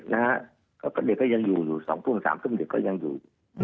เด็กก็ยังอยู่๒พรุ่ง๓พรุ่งเด็กก็ยังอยู่